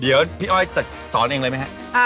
เดี๋ยวพี่อ้อยจะสอนเองเลยไหมฮะ